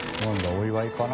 お祝いかな？